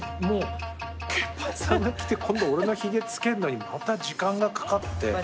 もう結髪さんが来て今度俺のヒゲつけるのにまた時間がかかって。